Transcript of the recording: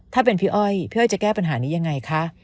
ถ้าเป็นพี่อ้อยพี่อ้อยจะแก้ปัญหานี้ยังไงคะ